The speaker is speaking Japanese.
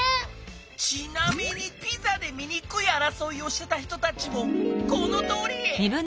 ちなみにピザでみにくいあらそいをしてた人たちもこのとおり！